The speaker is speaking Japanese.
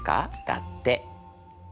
だって。